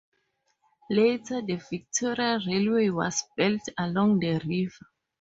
Later, the Victoria Railway was built along the river.